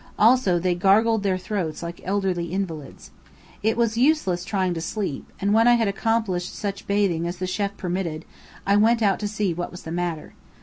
Also they gargled their throats like elderly invalids. It was useless trying to sleep; and when I had accomplished such bathing as the chêf permitted, I went out to see what was the matter.